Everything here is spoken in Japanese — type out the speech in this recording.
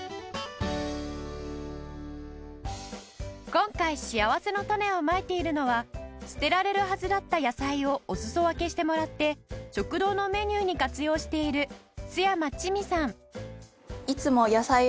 今回しあわせのたねをまいているのは捨てられるはずだった野菜をおすそわけしてもらって食堂のメニューに活用している陶山智美さん